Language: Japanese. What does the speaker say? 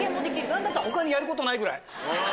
何だったら他にやる事ないぐらい。